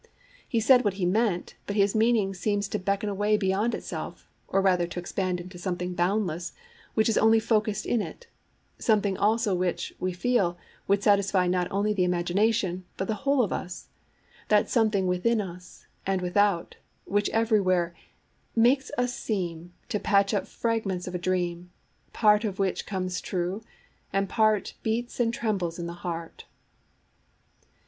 He said what he meant, but his meaning seems to beckon away beyond itself, or rather to expand into something boundless which is only focussed in it; something also which, we feel, would satisfy not only the imagination, but the whole of us; that something within us, and without, which everywhere Makes us seem To patch up fragments of a dream, Part of which comes true, and part Beats and trembles in the heart.